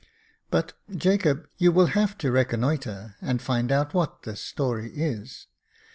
But, Jacob, you will have to reconnoitre, and find out what this story is.